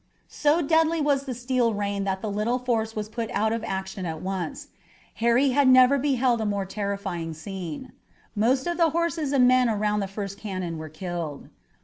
So deadly was the steel rain that the little force was put out of action at once. Harry had never beheld a more terrifying scene. Most of the horses and men around the first cannon were killed.